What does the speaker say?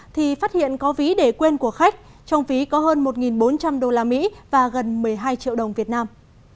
thì phát hiện có ví để quên của khách trong ví có hơn một bốn trăm linh usd và gần một mươi hai triệu đồng việt nam